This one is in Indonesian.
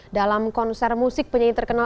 dalam konser musik penyanyi terkenal